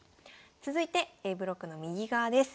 続いてＡブロックの右側です。